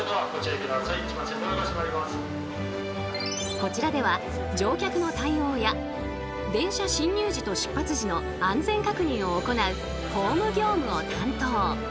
こちらでは乗客の対応や電車進入時と出発時の安全確認を行うホーム業務を担当。